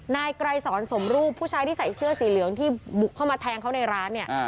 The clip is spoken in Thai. นายไกรสอนสมรูปผู้ชายที่ใส่เสื้อสีเหลืองที่บุกเข้ามาแทงเขาในร้านเนี่ย